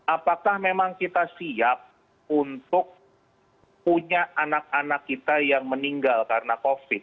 apakah memang kita siap untuk punya anak anak kita yang meninggal karena covid